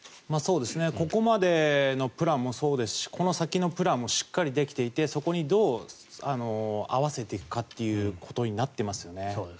ここまでのプランもそうですしこの先のプランもしっかりできていてそこにどう合わせていくかということになっていますよね。